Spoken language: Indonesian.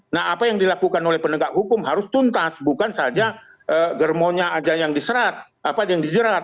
nah apa yang dilakukan oleh penegak hukum harus tuntas bukan saja germonya aja yang diserat apa yang dijerat atau si jokinya yang dijerat